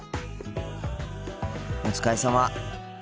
お疲れさま。